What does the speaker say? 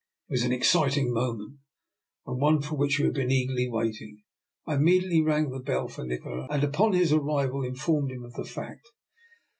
It was an exciting moment, and one for which we had been eagerly waiting. I immediately rang the bell for Nikola, and upon his arrival informed him of the fact.